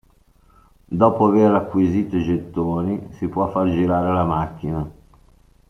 Dopo aver acquisito i gettoni si può far girare la macchina.